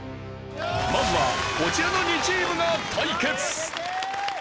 まずはこちらの２チームが対決！